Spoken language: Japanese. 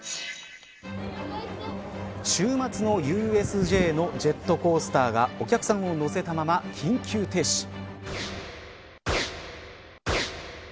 週末のＵＳＪのジェットコースターがお客さんを乗せたまま緊急停止。